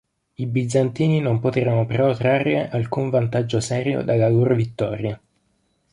I bizantini non poterono però trarre alcun vantaggio serio dalla loro vittoria.